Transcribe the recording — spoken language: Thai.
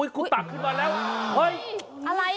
คุณตักขึ้นมาอะไร